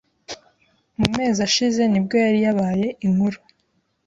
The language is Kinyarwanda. Mu mezi ashize nibwo yari yabaye inkuru